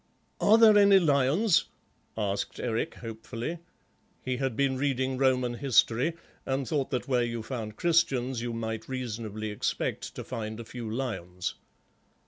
"Are there any lions?" asked Eric hopefully. He had been reading Roman history and thought that where you found Christians you might reasonably expect to find a few lions.